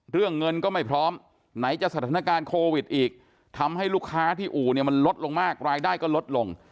เรื่องเงินก็ไม่พร้อมไหนจะสถานการณ์โควิดอีกทำให้ลูกค้าที่อู่เนี่ยมันลดลงมากรายได้ก็ลดลง